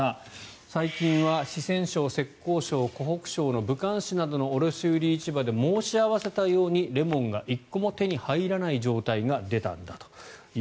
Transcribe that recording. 最近は四川省、浙江省湖北省の武漢市などの卸売市場で申し合わせたようにレモンが１個も手に入らない状態が出たんだと。